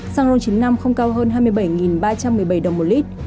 xăng ron chín mươi năm không cao hơn hai mươi bảy ba trăm một mươi bảy đồng một lít